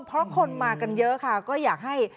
เพราะคนมากันเยอะค่ะก็อยากให้